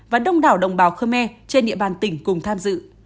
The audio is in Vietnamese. và đông đảo đồng bào khmer trên địa bàn tỉnh cùng tham dự